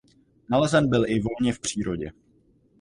Nalezen byl i volně v přírodě.